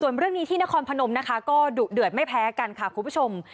ส่วนเรื่องนี้ที่นครพนมนะคะก็ดุเดือดไม่แพ้กันค่ะคุณผู้ชม